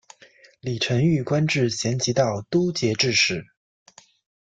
李澄玉官至咸吉道都节制使。